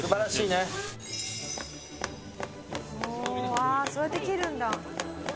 ああそうやって切るんだ。